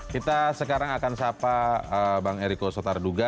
kita sekarang akan sapa bang eriko sotarduga